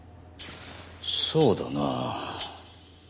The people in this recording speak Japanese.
そうだな。